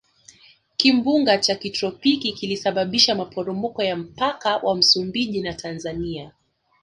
kimbunga cha kitropiki kilisababisha maporomoko ya mpaka wa msumbiji na tanzania